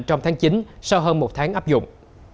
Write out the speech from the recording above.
trong tháng chín sau hơn một tháng áp dụng